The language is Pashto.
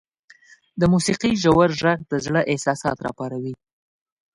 • د موسیقۍ ژور ږغ د زړه احساسات راپاروي.